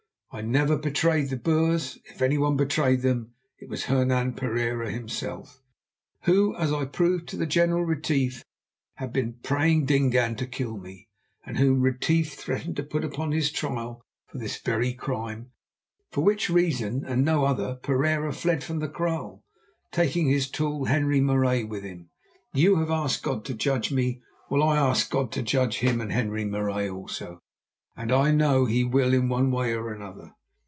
I never betrayed the Boers. If anyone betrayed them it was Hernan Pereira himself, who, as I proved to the General Retief, had been praying Dingaan to kill me, and whom Retief threatened to put upon his trial for this very crime, for which reason and no other Pereira fled from the kraal, taking his tool Henri Marais with him. You have asked God to judge me. Well, I ask God to judge him and Henri Marais also, and I know He will in one way or another.